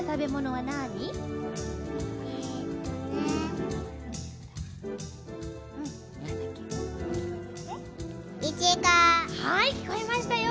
はいきこえましたよ！